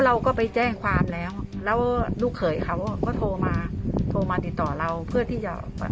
เราก็ไปแจ้งความแล้วแล้วลูกเขยเขาก็โทรมาโทรมาติดต่อเราเพื่อที่จะ